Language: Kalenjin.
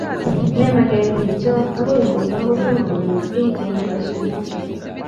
Memagenkiy cho. Agoi nguno kotomkonyor kiy eng' paisyonotok.